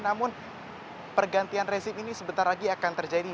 namun pergantian rezim ini sebentar lagi akan terjadi